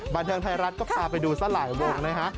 บันเทิงไทยรัฐก็พาไปดูซะหลายวงนะฮะ